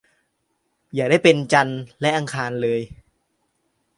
อย่าได้เป็นจันทร์และอังคารเลย